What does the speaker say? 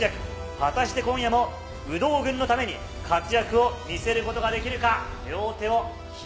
果たして今夜も有働軍のために、活躍を見せることができるか。